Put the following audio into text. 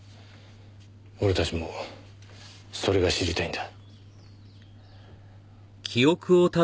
俺たちもそれが知りたいんだ。